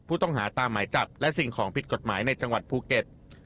ผู้ต้องหาตามหมายจับและสิ่งของผิดกฎหมายในจังหวัดภูเก็ต